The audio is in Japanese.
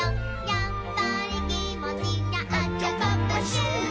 「やっぱりきもちがアジャパパシューワ」